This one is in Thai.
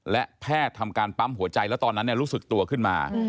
และแพทย์ทำการปั๊มหัวใจแล้วตอนนั้นรู้สึกตัวขึ้นมา